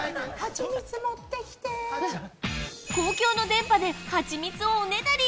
公共の電波でハチミツをおねだり。